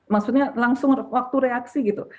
maksudnya langsung waktu reaksi gitu